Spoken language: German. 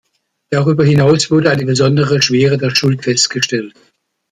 Darüber hinaus wurde eine besondere Schwere der Schuld festgestellt.